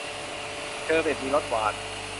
เชอร์เบทมีรสหวาน